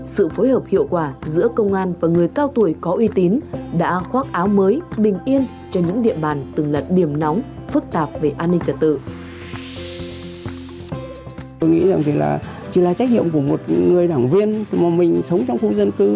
sự phối hợp hiệu quả giữa công an và người cao tuổi có uy tín đã khoác áo mới bình yên cho những địa bàn từng là điểm nóng phức tạp về an ninh trật tự